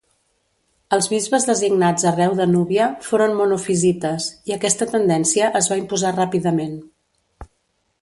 Els bisbes designats arreu de Núbia foren monofisites, i aquesta tendència es va imposar ràpidament.